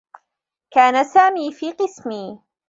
كان سامي في قسمي.